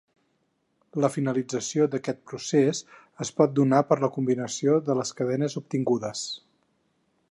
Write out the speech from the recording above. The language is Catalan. La finalització d’aquest procés es pot donar per combinació de les cadenes obtingudes.